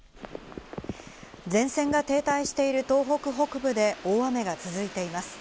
前線が停滞している東北北部で大雨が続いています。